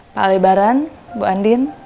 pak lebaran bu andin